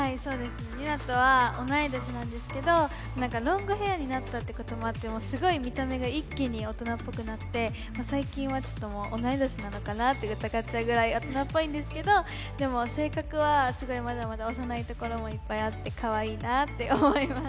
ＮＩＮＡとは同い年なんですけど、ロングヘアになってすごい見た目が一気に大人っぽくなって、最近はちょっともう、同い年なのかなって疑っちゃうぐらい大人っぽいんですけどでも、性格はすごいまだまだ幼いところもいっぱいあってかわいいなって思います。